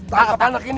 takut anak ini